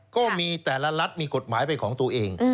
ก็มีแต่ละรัฐมีกฎหมายเป็นของตัวเอง